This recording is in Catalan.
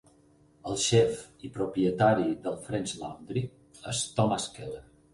El xef i propietari del French Laundry és Thomas Keller.